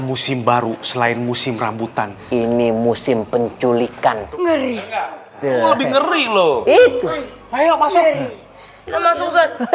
musim baru selain musim rambutan ini musim penculikan tuh ngeri lebih ngeri loh ayo masuk